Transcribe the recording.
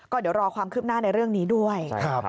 ก็เดี๋ยวรอความคืบหน้าในเรื่องนี้ด้วย